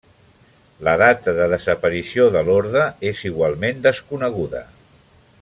La data de desaparició de l'orde és igualment desconeguda.